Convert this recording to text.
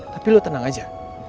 tapi lo tenang aja